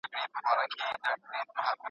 په جومات کي شور نه کېږي.